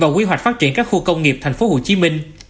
và quy hoạch phát triển các khu công nghiệp thành phố hồ chí minh